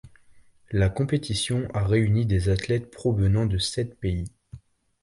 La compétition a réuni des athlètes provenant de sept pays.